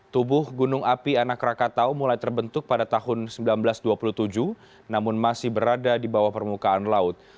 tubuh gunung api anak rakatau mulai terbentuk pada tahun seribu sembilan ratus dua puluh tujuh namun masih berada di bawah permukaan laut